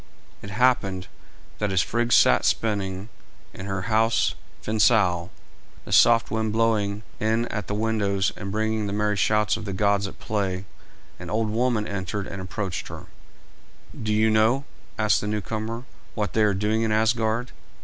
It happened that as Frigg sat spinning in her house Fensal, the soft wind blowing in at the windows and bringing the merry shouts of the gods at play, an old woman entered and approached her. "Do you know," asked the newcomer, "what they are doing in Asgard?